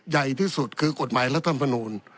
ใหญ่ที่สุดคือกฎหมายและท่านผนูล